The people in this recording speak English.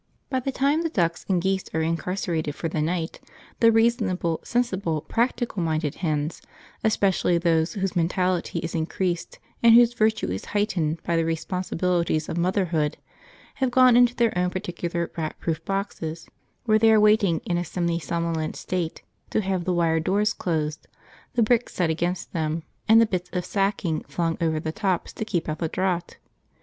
By the time the ducks and geese are incarcerated for the night, the reasonable, sensible, practical minded hens especially those whose mentality is increased and whose virtue is heightened by the responsibilities of motherhood have gone into their own particular rat proof boxes, where they are waiting in a semi somnolent state to have the wire doors closed, the bricks set against them, and the bits of sacking flung over the tops to keep out the draught.